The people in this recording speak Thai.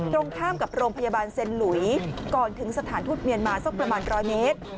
ตรงข้ามกับโรงพยาบาลเซ็นหลุยก่อนถึงสถานทูตเมียนมาสักประมาณ๑๐๐เมตร